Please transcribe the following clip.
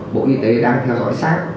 bộ y tế đang theo dõi sát